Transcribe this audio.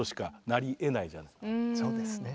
そうですね。